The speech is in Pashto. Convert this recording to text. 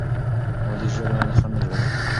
مادي ژبه خنډ نه جوړوي.